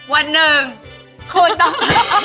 วันหนึ่งคุณต้อง